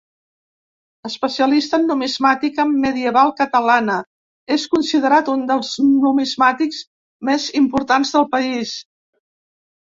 Especialista en numismàtica medieval catalana, és considerat un dels numismàtics més importants del país.